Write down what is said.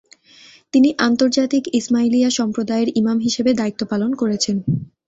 তিনি আন্তর্জাতিক ইসমাইলিয়া সম্প্রদায়ের ইমাম হিসাবে দায়িত্ব পালন করেছেন।